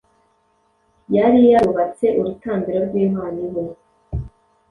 Yari yarubatse urutambiro rw’Imana iwe